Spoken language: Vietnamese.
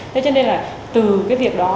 thế cho nên là từ cái việc đó